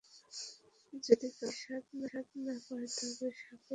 যদি কামড় দিলে স্বাদ না পায়, তবে সাপে কেটেছে।